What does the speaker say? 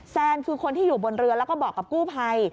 แซนคือคนที่อยู่บนเรือแล้วก็บอกกับกู้ภัย